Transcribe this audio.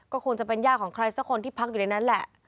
ก็คงจะเป็นย่าของใครสักคนที่พักอยู่ในนั้นแหละ